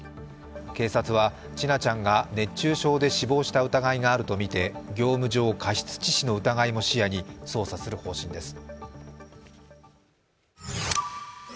警察は千奈ちゃんが熱中症で死亡した疑いがあるとみて業務上過失致死の疑いも視野に捜査する方針です。